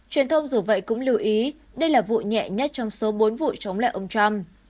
truyền thông dù vậy cũng lưu ý đây là vụ nhẹ nhất trong số bốn vụ chống lại ông trump